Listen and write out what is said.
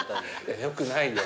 よくないよ。